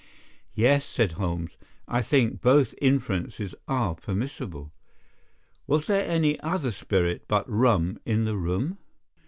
"Yes," said Holmes; "I think that both inferences are permissible. Was there any other spirit but rum in the room?"